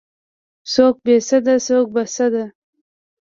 څوک بې سده څوک په سد.